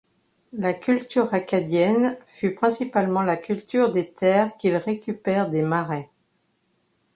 La culture acadienne fut principalement la culture des terres qu'ils récupèrent des marais.